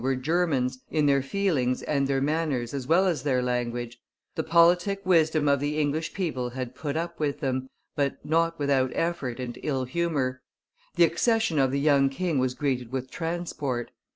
were Germans, in their feelings and their manners as well as their language; the politic wisdom of the English people had put up with them, but not without effort and ill humor; the accession of the young king was greeted with transport.